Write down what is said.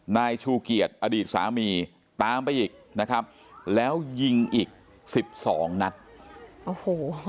นายชูเกียจอดีตสามีตามไปอีกนะครับแล้วยิงอีกสิบสองนัดโอ้โห